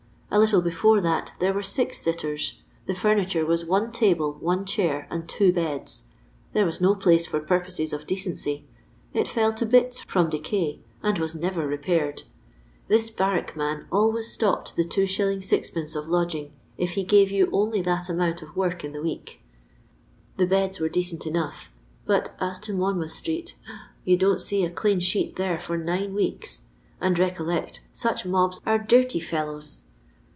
A little be fore that there were aix aitters. The furniture waa one table, one chair, and two beda. There waa no place for purposes of decency : it fell to bits from decay, and was never repaired. This barrack man always stopped the 2s, 6d, for lodg ing, if he gare you only that amount of work in the week. The beds were decent enough ; but as to Monmouth street ! you don't see a clean sheet there for nine weeks ; and, recollect, such snobs are dirty fellows.